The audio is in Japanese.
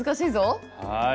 はい。